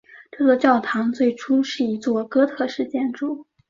这座教堂最初是一座哥特式建筑。